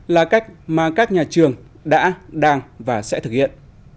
là cách mà các nhà trường đã đang và sẽ thực hiện